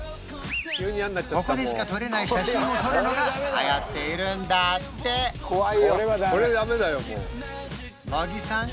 ここでしか撮れない写真を撮るのがはやっているんだって小木さん